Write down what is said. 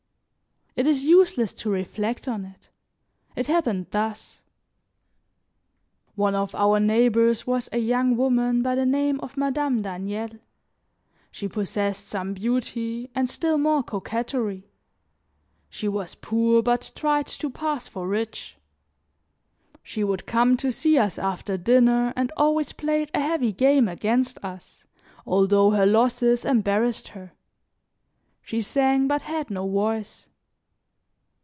It is useless to reflect on it; it happened thus. One of our neighbors was a young woman by the name of Madame Daniel, she possessed some beauty, and still more coquetry; she was poor but tried to pass for rich; she would come to see us after dinner and always played a heavy game against us, although her losses embarrassed her; she sang but had no voice.